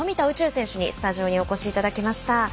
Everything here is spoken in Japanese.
宇宙選手にスタジオにお越しいただきました。